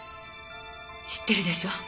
知ってるでしょ。